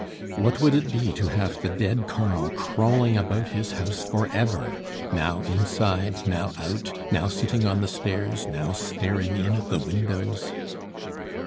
What would it be to have the dead Karl crawling about his house for ever, now inside, now out, now sitting on the stairs, now staring in at the windows?